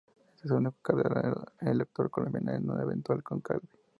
Es el único cardenal elector colombiano en un eventual cónclave.